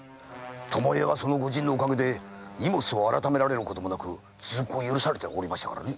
巴屋はその御仁のおかげで荷物を改められることもなく通行を許されておりましたから。